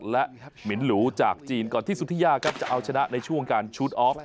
และหมินหรูจากจีนก่อนที่สุธิยาครับจะเอาชนะในช่วงการชูดออฟ